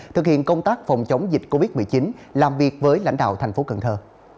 thực hiện công tác phòng chống dịch covid một mươi chín làm việc với lãnh đạo thành phố cần thơ